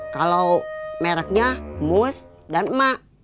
kalau mereknya mus dan emak